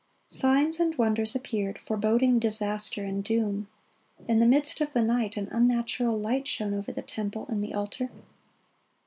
(39) Signs and wonders appeared, foreboding disaster and doom. In the midst of the night an unnatural light shone over the temple and the altar.